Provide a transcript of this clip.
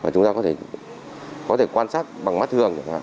chúng ta có thể quan sát bằng mắt thường